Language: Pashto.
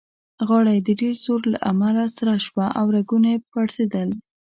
غاړه يې د ډېر زوره له امله سره شوه او رګونه يې پړسېدل.